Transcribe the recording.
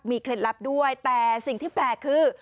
เคล็ดลับด้วยแต่สิ่งที่แปลกคือ